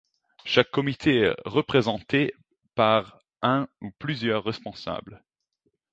Chaque comité est représenté par un ou plusieurs responsables.